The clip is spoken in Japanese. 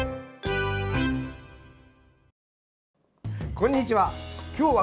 こんにちは。